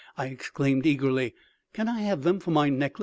I exclaimed eagerly. "Can I have them for my necklace?"